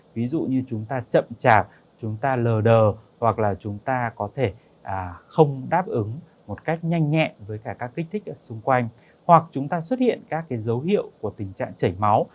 ví dụ như chúng ta chậm chạp chúng ta lờ đờ hoặc là chúng ta có thể không đáp ứng một cách nhanh nhẹn với cả các kích thích xung quanh hoặc chúng ta xuất hiện các dấu hiệu của tình trạng chảy máu